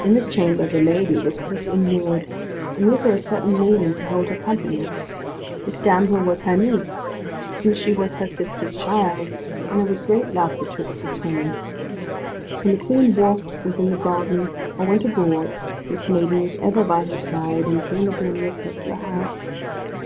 In this chamber the lady was put in ward, and with her a certain maiden to hold her company. This damsel was her niece, since she was her sister's child, and there was great love betwixt the twain. When the Queen walked within the garden, or went abroad, this maiden was ever by her side, and came again with her to the house.